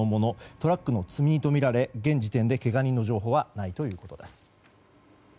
トラックの積み荷とみられ現時点でけが人の情報はないということです。